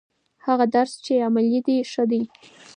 هغه درس چې عملي دی ښه دی.